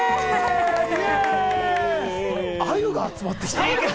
アユが集まってきた？